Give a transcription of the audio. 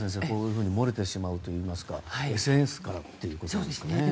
こういうふうに漏れてしまうといいますかＳＮＳからということですね。